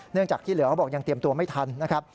จากที่เหลือเขาบอกยังเตรียมตัวไม่ทันนะครับ